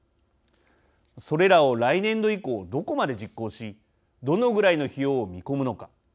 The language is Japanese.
それらを来年度以降どこまで実行しどのぐらいの費用を見込むのか。